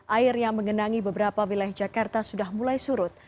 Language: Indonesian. air yang mengenangi beberapa wilayah jakarta sudah mulai surut